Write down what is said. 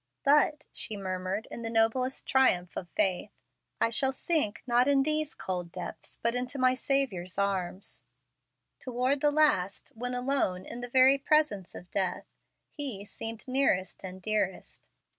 "But," she murmured in the noblest triumph of faith, "I shall sink, not in these cold depths, but into my Saviour's arms." Toward the last, when alone in the very presence of death, He seemed nearest and dearest.